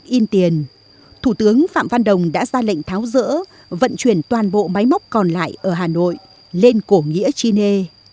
chủ tướng phạm văn đồng đã ra lệnh tháo rỡ vận chuyển toàn bộ máy móc còn lại ở hà nội lên cổ nghĩa chi nê